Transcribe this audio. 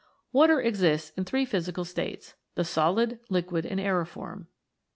Water exists in the three physical states the solid, liquid, aeriform.